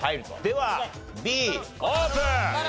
ではＢオープン！